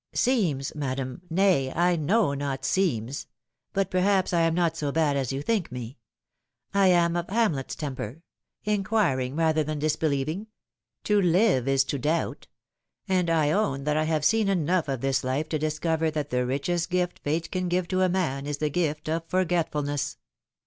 "' Seems,' madam ! nay, I know not ' seems ;' but perhaps I am not so bad as you think me. I am of Hamlet's temper inquiring rather than disbelieving. To live is to doubt. And I own that I have seen enough of this life to discover that the richest gift Fate can give to man is the gift of forgetfulness."